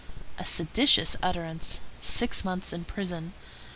_ A seditious utterance. Six months in prison.